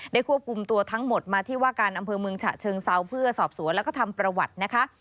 ควบคุมตัวทั้งหมดมาที่ว่าการอำเภอเมืองฉะเชิงเซาเพื่อสอบสวนแล้วก็ทำประวัตินะคะ